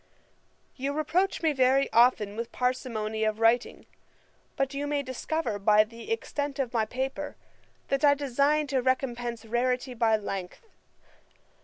] 'You reproach me very often with parsimony of writing: but you may discover by the extent of my paper, that I design to recompence rarity by length.